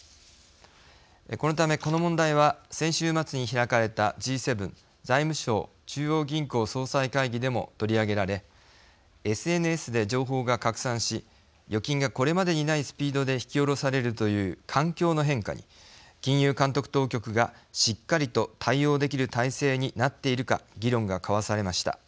このため、この問題は先週末に開かれたＧ７財務相・中央銀行総裁会議でも取り上げられＳＮＳで情報が拡散し預金がこれまでにないスピードで引き下ろされるという環境の変化に金融監督当局がしっかりと対応できる体制になっているか議論が交わされました。